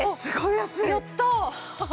やったあ！